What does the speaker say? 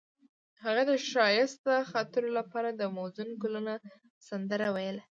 هغې د ښایسته خاطرو لپاره د موزون ګلونه سندره ویله.